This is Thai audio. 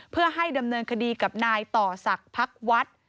เพื่อให้ดำเนินคดีกับนายต่อศักดิ์พักวัด